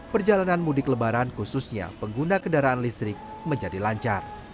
perjalanan mudik lebaran khususnya pengguna kendaraan listrik menjadi lancar